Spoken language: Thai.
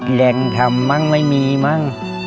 แหล่งทำมั้งไม่มีมั้ง